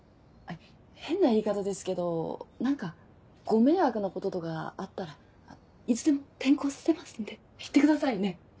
変な言い方ですけど何かご迷惑なこととかがあったらいつでも転校させますんで言ってくださいね。